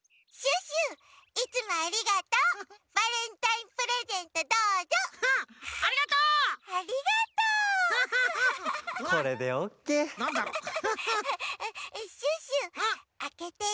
シュッシュあけていい？